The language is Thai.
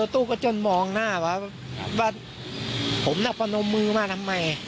รถตู้ก็จนมองหน้ากระวังว่าผมนั่งพิมพ์นมมือมาทำไม